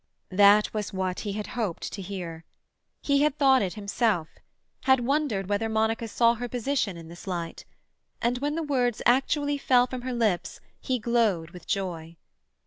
That was what he had hoped to hear. He had thought it himself; had wondered whether Monica saw her position in this light. And when the words actually fell from her lips he glowed with joy.